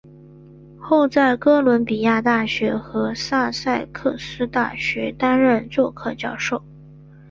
后在哥伦比亚大学和萨塞克斯大学担任客座教授。